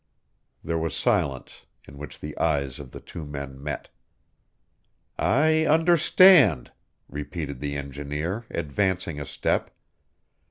There was silence, in which the eyes of the two men met. "I understand," repeated the engineer, advancing a step.